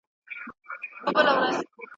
د ولس ملاتړ يې د حکومت ځواک باله.